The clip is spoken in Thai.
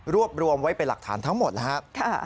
รวบรวมไว้เป็นหลักฐานทั้งหมดแล้วครับ